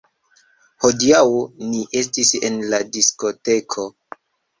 Hodiaŭ ni estis en la diskoteko